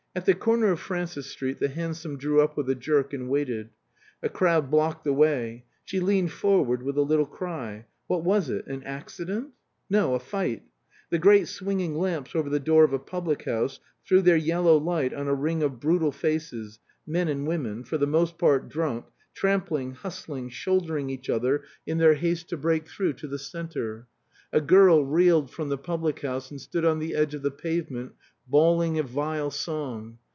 At the corner of Francis Street the hansom drew up with a jerk and waited. A crowd blocked the way. She leaned forward with a little cry. What was it? An accident? No; a fight. The great swinging lamps over the door of a public house threw their yellow light on a ring of brutal faces, men and women, for the most part drunk, trampling, hustling, shouldering each other in their haste to break through to the center. A girl reeled from the public house and stood on the edge of the pavement bawling a vile song.